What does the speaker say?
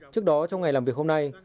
trước đó trong ngày làm việc hôm nay